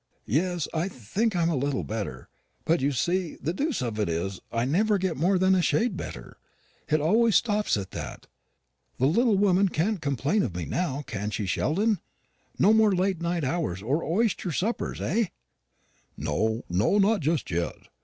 "Yes, I think I am a shade better. But, you see, the deuce of it is I never get more than a shade better. It always stops at that. The little woman can't complain of me now, can she, Sheldon? No more late hours, or oyster suppers, eh?" "No, no, not just yet.